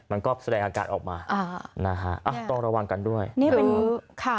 มันก็แสดงอาการออกมาอ่านะฮะอ่ะต้องระวังกันด้วยนี่เป็นค่ะ